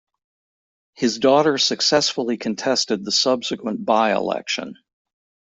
His daughter successfully contested the subsequent by-election.